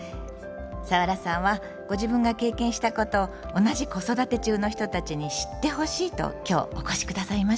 サワラさんはご自分が経験したことを同じ子育て中の人たちに知ってほしいと今日お越し下さいました。